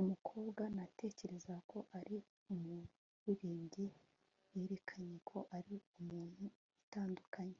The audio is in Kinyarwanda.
umukobwa natekerezaga ko ari umuririmbyi yerekanye ko ari umuntu utandukanye